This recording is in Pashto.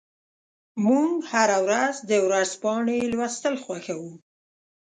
موږ هره ورځ د ورځپاڼې لوستل خوښوو.